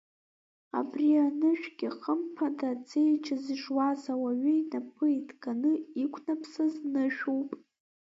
Абри анышәгьы, хымԥада, аҵеџь зжуаз ауаҩы инапы иҭганы иқәнаԥсаз нышәуп.